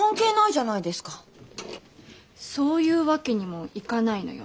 そういうわけにもいかないのよ。